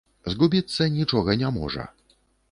Згубіцца нічога не можа.